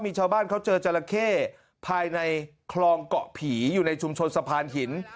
มีชาวบ้านเขาเจอจราเข้ภายในคลองเกาะผีอยู่ในชุมชนสะพานหิน